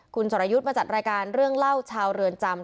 คุณสรยุทธ์มาจัดรายการเรื่องเล่าชาวเรือนจำ